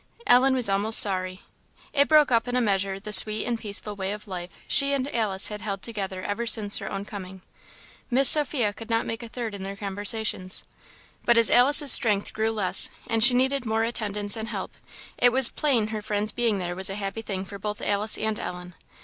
Ellen was almost sorry; it broke up in a measure the sweet and peaceful way of life she and Alice had held together ever since her own coming. Miss Sophia could not make a third in their conversations. But as Alice's strength grew less, and she needed more attendance and help, it was plain her friend's being there was a happy thing for both Alice and Ellen.